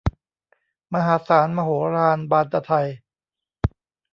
มหาศาล มโหฬาร บานตะไท